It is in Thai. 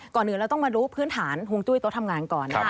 ก่อนอื่นเราต้องมารู้พื้นฐานห่วงจุ้ยโต๊ะทำงานก่อนนะคะ